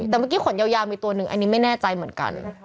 แต่เมื่อกี้ขนยาวมีตัวหนึ่งอันนี้ไม่แน่ใจเหมือนกัน